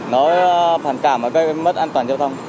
nó phản cảm và gây mất an toàn giao thông